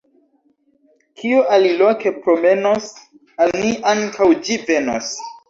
Kio aliloke promenos, al ni ankaŭ ĝi venos.